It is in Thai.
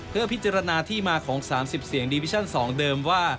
เพื่อพิจารณาที่มาของ๓๐เสียงดิวิชั่น๒เดิมว่า